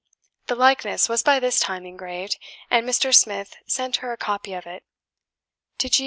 The likeness was by this time engraved, and Mr. Smith sent her a copy of it. To G.